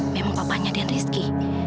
memang papanya dan rizky